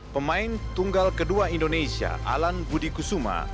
pemain tunggal kedua indonesia alan budi kusuma